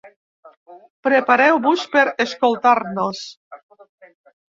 Prepareu-vos per escoltar-nos.